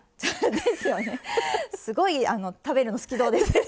すごい食べるの好きそうです。